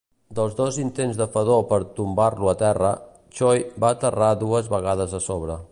Dels dos intents de Fedor per tombar-lo a terra, Choi va aterrar dues vegades a sobre.